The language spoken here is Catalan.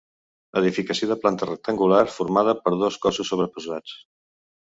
Edificació de planta rectangular formada per dos cossos sobreposats.